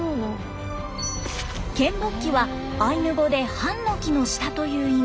ケンボッキはアイヌ語で「ハンノキの下」という意味。